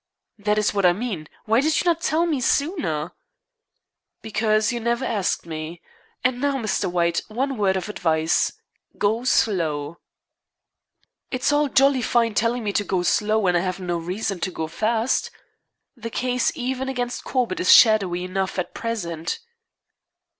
"That is what I mean. Why did you not tell me sooner?" "Because you never asked me. And now, Mr. White, one word of advice. Go slow." "It's all jolly fine telling me to go slow when I have no reason to go fast. The case even against Corbett is shadowy enough at present."